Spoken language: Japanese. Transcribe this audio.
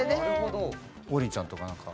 王林ちゃんとかなんか。